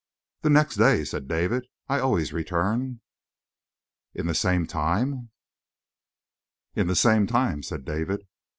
"The next day," said David, "I always return." "In the same time?" "In the same time," said David.